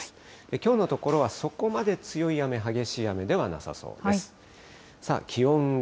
きょうのところは、そこまで強い雨、激しい雨ではなさそうです。